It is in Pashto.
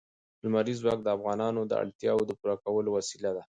لمریز ځواک د افغانانو د اړتیاوو د پوره کولو وسیله ده.